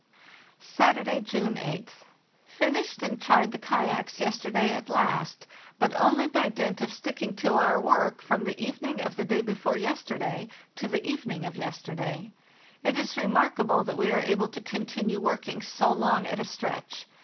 "Saturday, June 8th. Finished and tried the kayaks yesterday at last, but only by dint of sticking to our work from the evening of the day before yesterday to the evening of yesterday. It is remarkable that we are able to continue working so long at a stretch.